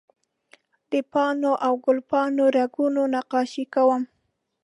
د پاڼو او ګل پاڼو رګونه نقاشي کوم